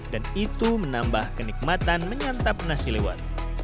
dan itu menambah kenikmatan menyantap nasi lewat